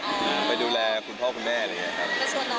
ไปกับครอบครัวไปดูแลคุณพ่อคุณแม่อะไรอย่างนี้ครับ